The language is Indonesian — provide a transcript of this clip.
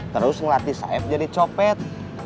terus ngelatih saif jadi copet